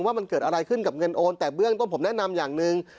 ว่ามันเกิดอะไรขึ้นกับเงินโอนแต่เบื้องต้นผมแนะนำอย่างหนึ่ง